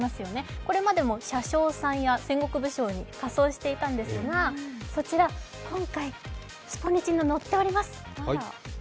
これまでも車掌さんや戦国武将に仮装していたんですが今回スポニチに載っております。